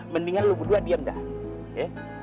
mendingan lo berdua diam dah